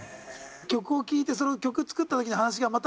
曲を聴いてその曲を作った時の話がまた。